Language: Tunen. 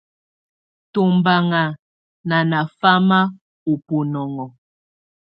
Tɔbanŋa nana famáa ɔ bɔnɔŋɔ.